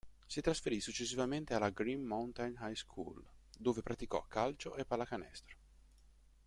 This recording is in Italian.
Si trasferì successivamente alla Green Mountain High School, dove praticò calcio e pallacanestro.